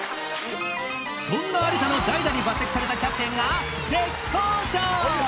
そんな有田の代打に抜擢されたキャプテンが絶好調！